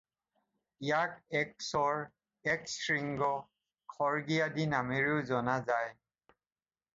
ইয়াক একচৰ, একশৃংগ, খড়্গী আদি নামেৰেও জনা যায়।